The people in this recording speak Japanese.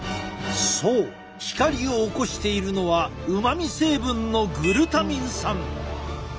そう光を起こしているのはうまみ成分のグルタミン酸。